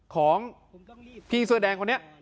ของพี่เสื้อแดงคนนี้